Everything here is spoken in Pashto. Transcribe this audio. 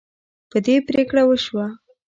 په دې پریکړه وشوه.